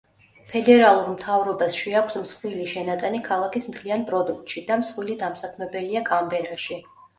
ფედერალურ მთავრობას შეაქვს მსხვილი შენატანი ქალაქის მთლიან პროდუქტში და მსხვილი დამსაქმებელია კანბერაში.